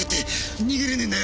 逃げれねえんだよ。